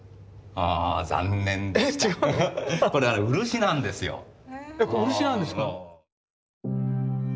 えっこれ漆なんですか？